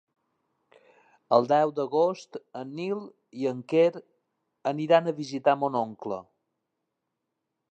El deu d'agost en Nil i en Quer aniran a visitar mon oncle.